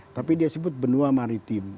tapi dia sebut benua maritim